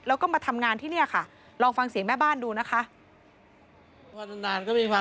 แล้วก็มาทำงานที่นี่ค่ะลองฟังเสียงแม่บ้านดูนะคะ